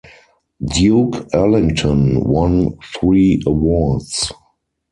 Duke Ellington won three awards.